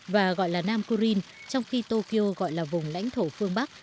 và gọi là nam kurin trong khi tokyo gọi là vùng lãnh thổ phương bắc